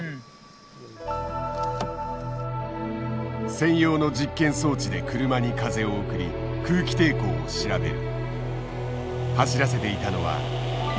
専用の実験装置で車に風を送り空気抵抗を調べる。